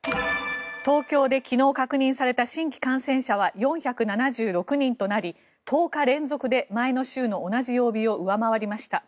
東京で昨日確認された新規感染者は４７６人となり１０日連続で前の週の同じ曜日を上回りました。